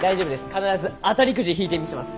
必ず当たりくじ引いてみせます。